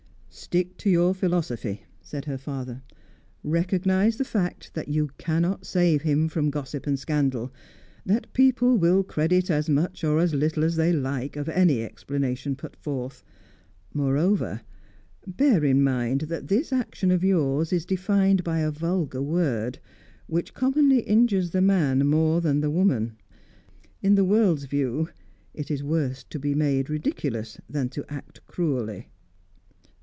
"Stick to your philosophy," said her father. "Recognise the fact that you cannot save him from gossip and scandal that people will credit as much or as little as they like of any explanation put forth. Moreover, bear in mind that this action of yours is defined by a vulgar word, which commonly injures the man more than the woman. In the world's view, it is worse to be made ridiculous than to act cruelly."